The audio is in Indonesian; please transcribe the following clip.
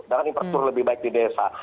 dengan infrastruktur lebih baik di desa